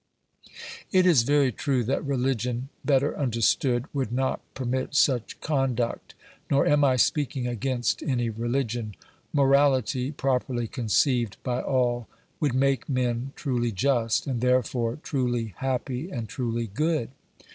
It is very true that religion, better understood, would not permit such conduct, nor am I speaking against any religion. Morality, properly conceived by all, would make men truly just, and therefore truly hapi)y and truly good.